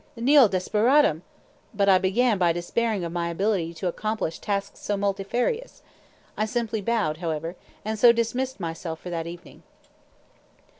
Nil desperandum; but I began by despairing of my ability to accomplish tasks so multifarious. I simply bowed, however, and so dismissed myself for that evening.